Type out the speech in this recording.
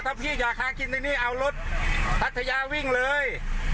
ถ้าพี่อยากหากินในนี้เอารถพัทยาวิ่งเลย